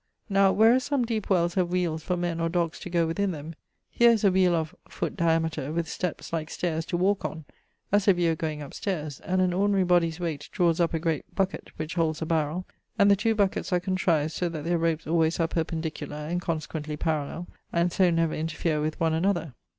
Now, whereas some deepe wells have wheeles for men or doggs to go within them, here is a wheele of ... foot diameter, with steps (like stayres) to walke on as if you were goeing up staires, and an ordinary bodye's weight drawes up a great bucket, which holdes a barrell, and the two bucketts are contrived so that their ropes alwaies are perpendicular and consequently parallell, and so never interfere with one another.